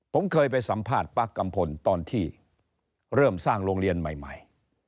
ผมเคยไปสัมภาษณ์ป้ากัมพลตอนที่เริ่มสร้างโรงเรียนใหม่